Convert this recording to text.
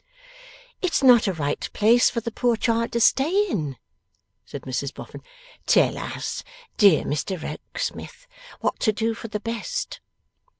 'It's not a right place for the poor child to stay in,' said Mrs Boffin. 'Tell us, dear Mr Rokesmith, what to do for the best.